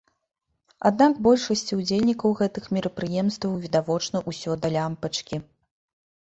Аднак большасці ўдзельнікаў гэтых мерапрыемстваў відавочна ўсё да лямпачкі.